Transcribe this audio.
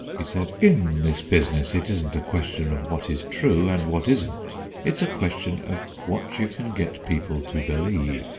He said: "In this business it isn't a question of what is true and what isn't; it's a question of what you can get people to believe.